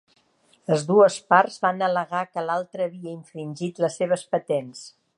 Les dues parts van al·legar que l'altra havia infringit les seves patents.